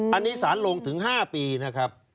อันนี้สารลงถึง๕ปีนะครับ